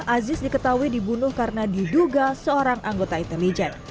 aziz diketahui dibunuh karena diduga seorang anggota intelijen